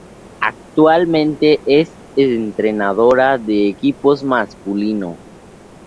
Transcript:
Actualmente es entrenadora de equipos masculinos